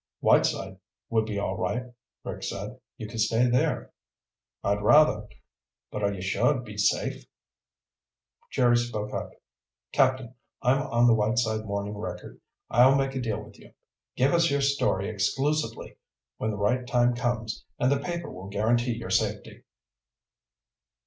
"Whiteside would be all right," Rick said. "You could stay there." "I'd rather. But are you sure it'd be safe?" Jerry spoke up. "Captain, I'm on the Whiteside Morning Record. I'll make a deal with you. Give us your story exclusively, when the right time comes, and the paper will guarantee your safety."